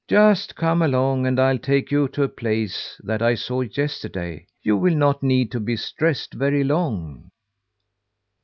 Just come along, and I'll take you to a place that I saw yesterday! You will not need to be distressed very long."